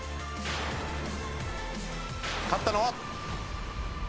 勝ったのは。